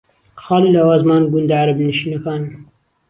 خاڵی لاوازمان گوندە عەرەبنشینەکانن